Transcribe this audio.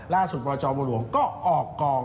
ล่าสุดประจอบบลวงก็ออกกอง